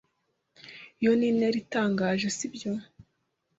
Iyo ni intera itangaje, sibyo?